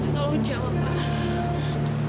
tolong jawab pak